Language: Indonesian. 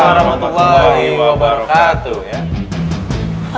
warahmatullahi wabarakatuh ya